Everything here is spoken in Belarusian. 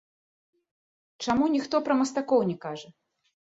Чаму ніхто пра мастакоў не кажа?